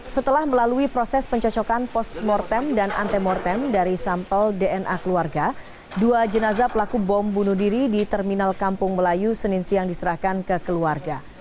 setelah melalui proses pencocokan post mortem dan antemortem dari sampel dna keluarga dua jenazah pelaku bom bunuh diri di terminal kampung melayu senin siang diserahkan ke keluarga